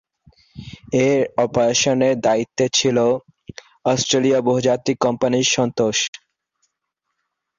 এর অপারেশনের দায়িত্বে ছিল অস্ট্রেলীয় বহুজাতিক কোম্পানি সান্তোস।